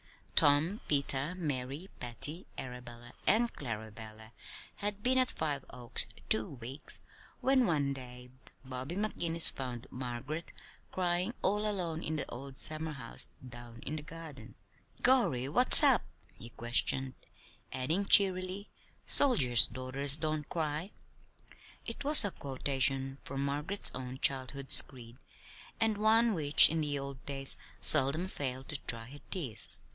Tom, Peter, Mary, Patty, Arabella, and Clarabella had been at Five Oaks two weeks when one day Bobby McGinnis found Margaret crying all alone in the old summerhouse down in the garden. "Gorry, what's up?" he questioned; adding cheerily: "'Soldiers' daughters don't cry'!" it was a quotation from Margaret's own childhood's creed, and one which in the old days seldom failed to dry her tears.